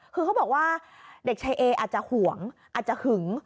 คือเขาบอกว่าเด็กชายเออาจจะห่วงอาจจะหึง